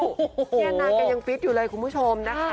นี่นางก็ยังฟิตอยู่เลยคุณผู้ชมนะคะ